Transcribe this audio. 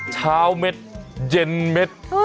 เช้าเม็ดเย็นเม็ด